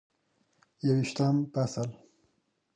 یوویشتم فصل: